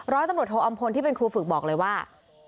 ร้อยตำรวจโทอำพลที่เป็นครูฝึกบอกเลยว่า